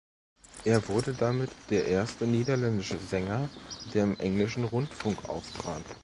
Er wurde damit der erste niederländische Sänger, der im englischen Rundfunk auftrat.